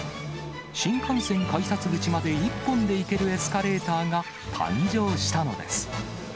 新幹線改札口まで一本で行けるエスカレーターが誕生したのです。